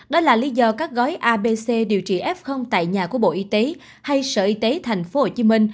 đó là lý do các gói abc điều trị f tại nhà của bộ y tế hay sở y tế tp hcm